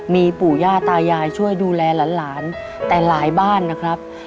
มีปู่ย่าตายายช่วยดูแลหลานแต่หลายบ้านนะครับ